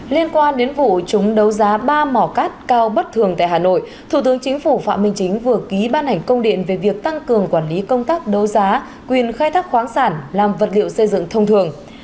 liên quan đến vụ chúng đấu giá ba mỏ cát cao bất thường tại hà nội thủ tướng chính phủ phạm minh chính vừa ký ban hành công điện về việc tăng cường quản lý công tác đấu giá quyền khai thác khoáng sản làm vật liệu xây dựng thông thường